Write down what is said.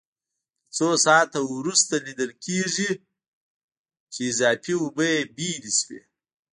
له څو ساعتونو وروسته لیدل کېږي چې اضافي اوبه یې بېلې شوې.